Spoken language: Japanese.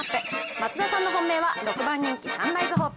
松田さんの本命は６番人気サンライズホープ。